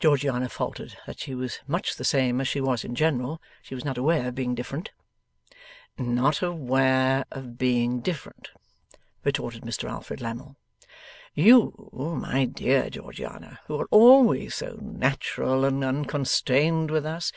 Georgiana faltered that she was much the same as she was in general; she was not aware of being different. 'Not aware of being different!' retorted Mr Alfred Lammle. 'You, my dear Georgiana! Who are always so natural and unconstrained with us!